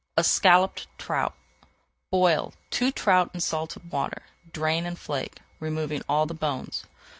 ESCALLOPED TROUT Boil two trout in salted water, drain and flake, removing all the bones.